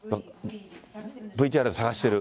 ＶＴＲ探してる。